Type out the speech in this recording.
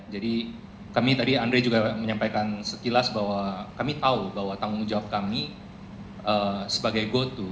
jadi kami tadi andrei juga menyampaikan sekilas bahwa kami tahu bahwa tanggung jawab kami sebagai goto